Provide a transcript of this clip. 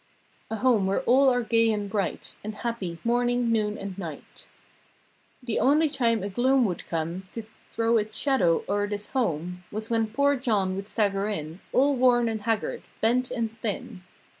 A home where all are gay and bright And happy, morning, noon and night. The only time a gloom would come To throw it's shadow o'er this home Was when poor John would stagger in All worn and haggard; bent and thin.